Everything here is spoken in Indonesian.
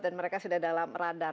dan mereka sudah dalam radar